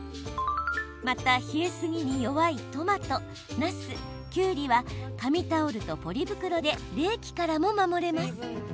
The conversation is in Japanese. また冷えすぎに弱いトマト、なす、きゅうりは紙タオルとポリ袋で冷気からも守れます。